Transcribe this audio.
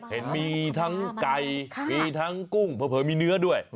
เห็นมีทั้งไก่มีทั้งกุ้งเผลอมีเนื้อด้วย